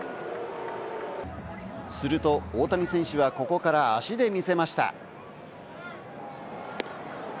すると大谷選手はここから足で見せました。